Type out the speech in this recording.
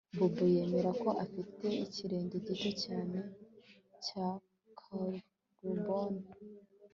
Bobo yemera ko afite ikirenge gito cyane cya karuboni